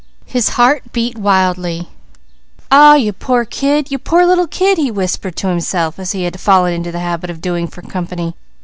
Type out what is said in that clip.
His heart beat wildly. "Aw you poor kid! You poor little kid!" he whispered to himself as he had fallen into the habit of doing for company.